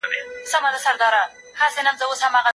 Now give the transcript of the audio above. شاه د ملي او سیاسي خپلواکۍ ساتلو لپاره قربانۍ ورکړې.